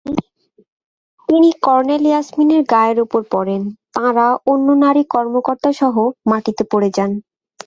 তিনি কর্নেল ইয়াসমিনের গায়ের ওপর পড়েন, তাঁরা অন্য নারী-কর্মকর্তাসহ মাটিতে পড়ে যান।